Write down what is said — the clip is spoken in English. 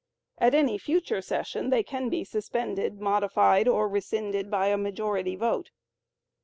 At any future session they can be suspended, modified or rescinded by a majority vote.